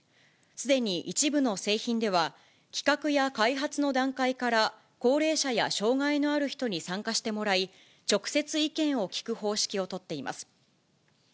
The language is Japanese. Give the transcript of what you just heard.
すでに一部の製品では、企画や開発の段階から高齢者や障がいのある人に参加してもらい、直接意見を聞く方式を取っています。